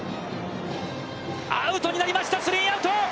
アウトになりましたスリーアウト！